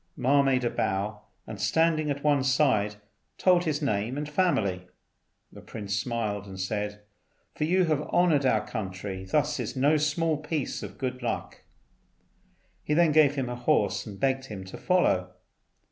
Ma made a bow, and standing at one side told his name and family. The prince smiled, and said, "For you to have honoured our country thus is no small piece of good luck." He then gave him a horse and begged him to follow.